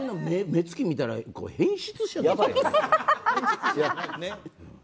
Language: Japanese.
目つき見たら変質者やで。